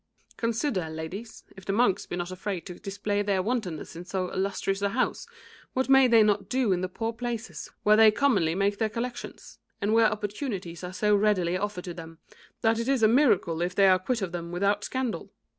"Consider, ladies, if the monks be not afraid to display their wantonness in so illustrious a house, what may they not do in the poor places where they commonly make their collections, and where opportunities are so readily offered to them, that it is a miracle if they are quit of them without scandal.